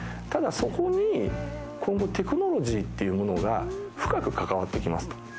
ただそこに今後テクノロジーっていうものが深く関わってきますと。